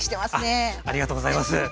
ありがとうございます。